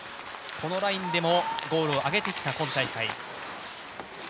このラインでもゴールを挙げてきた今大会。